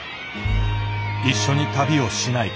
一緒に旅をしないか。